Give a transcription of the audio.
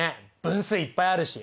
分数いっぱいあるし。